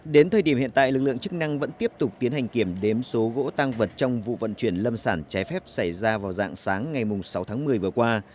đến thời điểm hiện tại lực lượng chức năng vẫn tiếp tục tiến hành kiểm đếm số gỗ tăng vật trong vụ vận chuyển lâm sản trái phép xảy ra vào dạng sáng ngày sáu tháng một mươi vừa qua